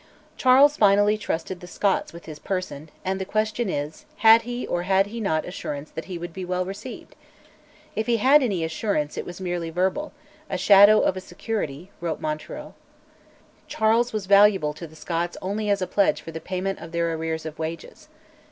Charles finally trusted the Scots with his person, and the question is, had he or had he not assurance that he would be well received? If he had any assurance it was merely verbal, "a shadow of a security," wrote Montereuil. Charles was valuable to the Scots only as a pledge for the payment of their arrears of wages.